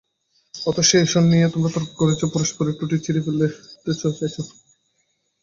অথচ সেই ঈশ্বর নিয়েই তোমরা তর্ক করছ, পরস্পরের টুঁটি ছিঁড়ে ফেলতে চাইছ।